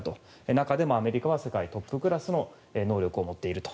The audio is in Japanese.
中でもアメリカは世界トップクラスの能力を持っていると。